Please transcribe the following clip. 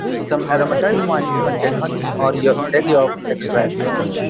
Some aromatized wines contain honey or egg-yolk extract.